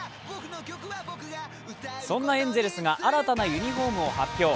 そんなエンゼルスが新たなユニフォームを発表。